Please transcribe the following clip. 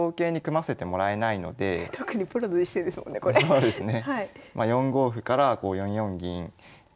そうですね。